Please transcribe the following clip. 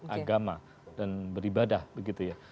agama dan beribadah begitu ya